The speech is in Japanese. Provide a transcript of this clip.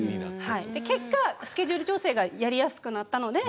結果、スケジュール調整がやりやすくなったので。